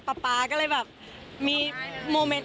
ป๊าก็เลยแบบมีโมเมนต์